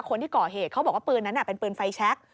คนที่ก่อเหตุเขาบอกว่าปืนนั้นเป็นปืนไฟแชค